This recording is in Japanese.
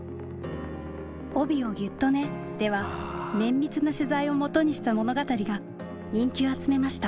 「帯をギュッとね！」では綿密な取材を基にした物語が人気を集めました。